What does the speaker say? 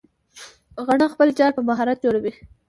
غڼه خپل جال په مهارت جوړوي